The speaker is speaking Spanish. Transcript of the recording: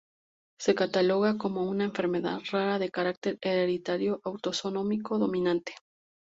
Se cataloga como una enfermedad rara de carácter hereditario autosómico dominante.